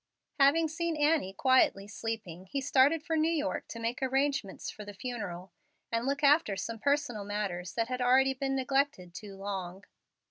Having seen Annie quietly sleeping, he started for New York to make arrangements for the funeral, and look after some personal matters that had already been neglected too long.